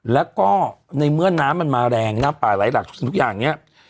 แล้วก็ในเมื่อน้ำมันมาแรงน้ำป่าไหลหลากทุกสิ่งทุกอย่างเนี่ย